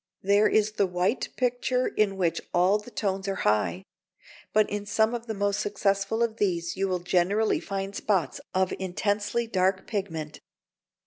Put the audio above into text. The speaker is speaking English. There is the white picture in which all the tones are high. But in some of the most successful of these you will generally find spots of intensely dark pigment.